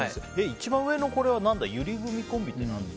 一番上のゆり組コンビって何だ？